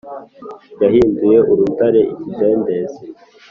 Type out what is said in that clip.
Yahinduye urutare ikidendezi